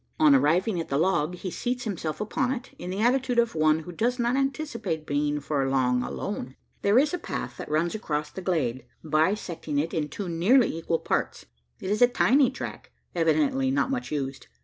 On arriving at the log he seats himself upon it, in the attitude of one who does not anticipate being for long alone. There is a path that runs across the glade, bisecting it into two nearly equal parts. It is a tiny track, evidently not much used.